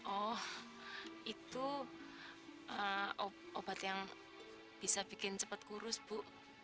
oh itu obat yang bisa bikin cepat kurus bu